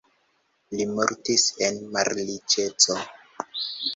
Li mortis en malriĉeco.